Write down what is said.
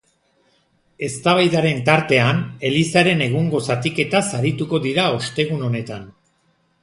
Eztabaidaren tartean, elizaren egungo zatiketaz arituko dira ostegun honetan.